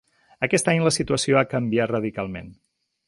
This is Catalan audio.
Aquest any la situació ha canviat radicalment.